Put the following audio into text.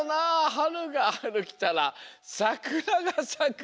「はるがはるきたらさくらがさく」。